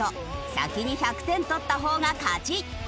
先に１００点とった方が勝ち！